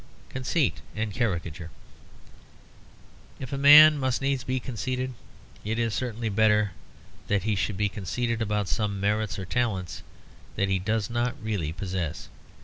CONCEIT AND CARICATURE If a man must needs be conceited, it is certainly better that he should be conceited about some merits or talents that he does not really possess.